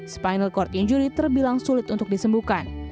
spinal cord injury terbilang sulit untuk disembuhkan